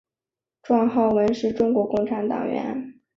况浩文是中国共产党党员。